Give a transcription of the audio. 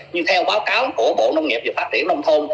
nhưng theo báo cáo của bộ nông nghiệp và phát triển nông thôn